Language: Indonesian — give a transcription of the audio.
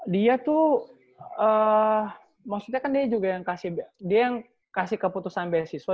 dia tuh maksudnya kan dia juga yang dia yang kasih keputusan beasiswa